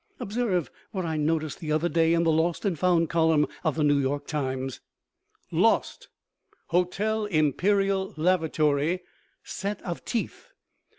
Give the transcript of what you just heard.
Observe what I noticed the other day in the Lost and Found column of the New York Times: LOST Hotel Imperial lavatory, set of teeth.